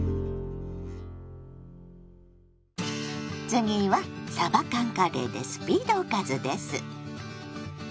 次はさば缶カレーでスピードおかずです。